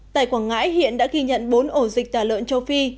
tại quảng ngãi hiện đã ghi nhận bốn ổ dịch tả lợn châu phi